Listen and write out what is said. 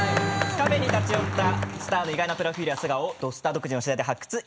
カフェに立ち寄ったスターの意外なプロフィールや素顔を「土スタ」独自の取材で発掘。